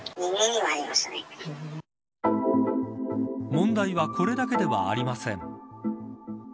問題はこれだけではありません。